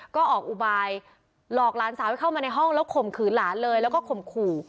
ก็ออกอุบายหลอกหลานสาวให้เข้ามาในห้องแล้วข่มขืนหลานเลยแล้วก็ข่มขู่